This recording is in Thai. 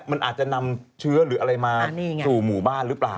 มันอาจจะนำเชื้อหรืออะไรมาสู่หมู่บ้านหรือเปล่า